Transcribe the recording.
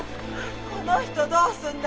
この人どうすんだ！